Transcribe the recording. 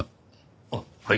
あっはい。